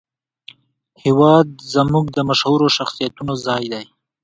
هېواد زموږ د مشهورو شخصیتونو ځای دی